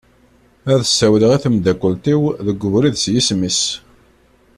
Ad ssawleɣ i temdakelt-iw deg ubrid s yisem-is.